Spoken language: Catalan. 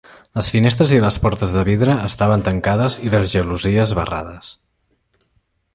Les finestres i les portes de vidre estaven tancades i les gelosies barrades.